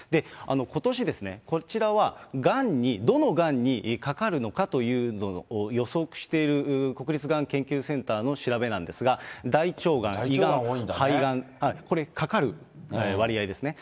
ことし、こちらは、がんに、どのがんにかかるのかというのを予測している国立がん研究センターの調べなんですが、大腸がん、胃がん、肺がん、これ、かかる割合ですね。